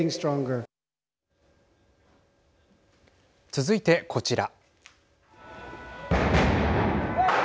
続いてこちら。